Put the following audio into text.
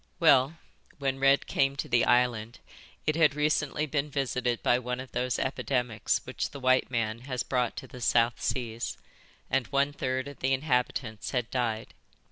"Well, when Red came to the island it had recently been visited by one of those epidemics which the white man has brought to the South Seas, and one third of the inhabitants had died.